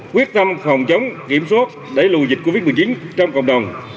quyết tâm phòng chống kiểm soát đẩy lùi dịch covid một mươi chín trong cộng đồng